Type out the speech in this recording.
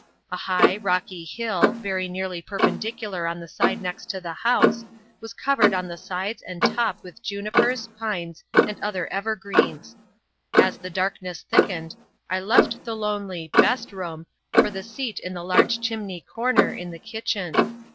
A high, rocky hill, very nearly perpendicular on the side next the house, was covered on the sides and top with junipers, pines, and other evergreens. As the darkness thickened, I left the lonely "best room" for the seat in the large chimney corner, in the kitchen.